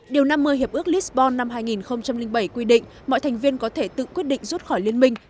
điều năm mươi hiệp ước lisbon năm hai nghìn bảy quy định mọi thành viên có thể tự quyết định rút khỏi liên minh